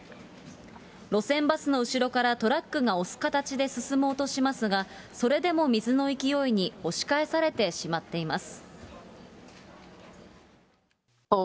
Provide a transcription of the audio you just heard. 路線バスの後ろからトラックが押す形で進もうとしますが、それでも水の勢いに押し返されてしまっています。